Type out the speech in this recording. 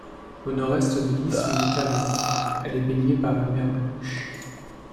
Au nord-est de l'isthme de Carélie, elle est baignée par la Mer Blanche.